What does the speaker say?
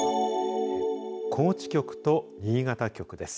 高知局と新潟局です。